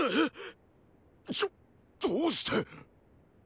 ちょっどうしてっ⁉